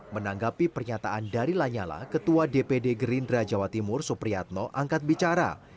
menanggapi pernyataan dari lanyala ketua dpd gerindra jawa timur supriyatno angkat bicara